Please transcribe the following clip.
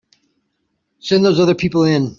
Send those other people in.